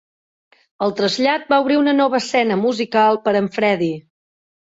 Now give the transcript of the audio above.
El trasllat va obrir una nova escena musical per a en Freddie.